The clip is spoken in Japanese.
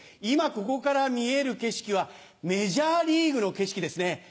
今ここから見える景色はメジャーリーグの景色ですね。